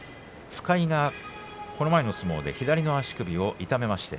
深井が前の相撲で左足首を痛めました。